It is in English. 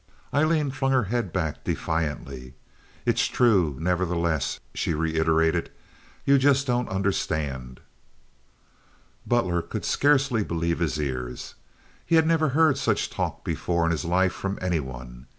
Aileen flung her head back defiantly. "It's true, nevertheless," she reiterated. "You just don't understand." Butler could scarcely believe his ears. He had never heard such talk before in his life from any one.